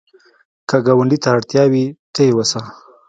که ګاونډي ته اړتیا وي، ته یې وسه